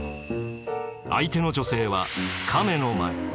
相手の女性は亀の前。